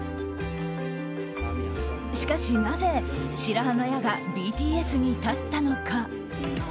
しかし、なぜ白羽の矢がＢＴＳに立ったのか。